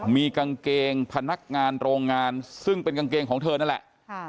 มีกางเกงพนักงานโรงงานซึ่งเป็นกางเกงของเธอนั่นแหละ